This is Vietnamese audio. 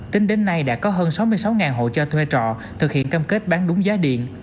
tính đến nay đã có hơn sáu mươi sáu hộ cho thuê trọ thực hiện cam kết bán đúng giá điện